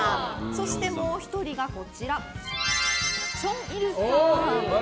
そしてもう１人がこちらチョン・イルさん。